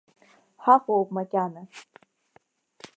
Ҳаҟоуп макьана!